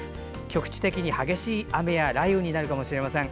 局地的に激しい雨や雷雨になるかもしれません。